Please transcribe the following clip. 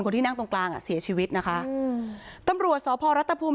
ที่นั่งตรงกลางอ่ะเสียชีวิตนะคะอืมตำรวจสพรัฐภูมิ